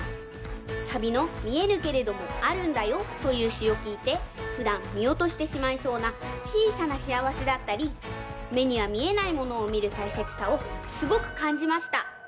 サビの「見えぬけれどもあるんだよ」というしをきいてふだんみおとしてしまいそうなちいさなしあわせだったりめにはみえないものをみるたいせつさをすごくかんじました。